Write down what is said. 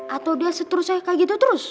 atau dia seterusnya kayak gitu terus